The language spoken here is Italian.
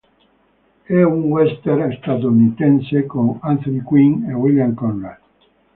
È un western statunitense con Anthony Quinn e William Conrad.